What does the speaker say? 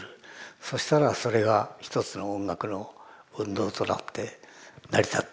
そしたらそれが一つの音楽の運動となって成り立っていく。